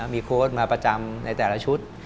มีโค้ดมาประจำในแต่ละชุด